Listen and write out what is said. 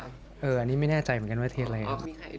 อันนี้ไม่แน่ใจเหมือนกันว่าเทสอะไร